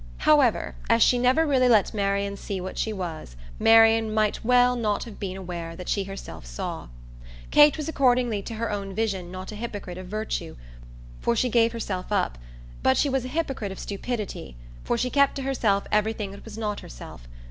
However, as she never really let Marian see what she was Marian might well not have been aware that she herself saw. Kate was accordingly to her own vision not a hypocrite of virtue, for she gave herself up; but she was a hypocrite of stupidity, for she kept to herself everything that was not herself.